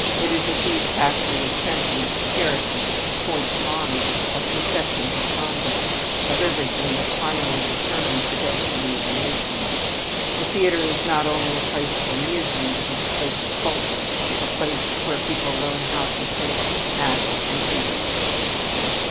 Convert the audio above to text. It is a huge factory of sentiment, of character, of points of honor, of conceptions of conduct, of everything that finally determines the destiny of a nation. The theater is not only a place of amusement, it is a place of culture, a place where people learn how to think, act, and feel."